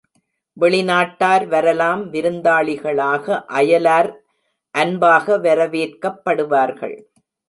வெளிநாட்டார் வரலாம், விருந்தாளிகளாக, அயலார் அன்பாக வரவேற்கப்படுவார்கள்.